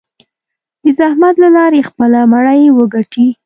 د زحمت له لارې خپله مړۍ وګټي.